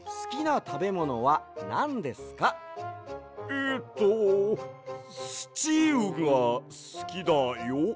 えっとスチウがすきだよ。